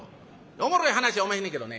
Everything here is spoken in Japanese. おもろい話はおまへんねんけどね